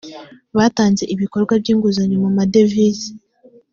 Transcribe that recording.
batanze ibikorwa by inguzanyo mu madevize.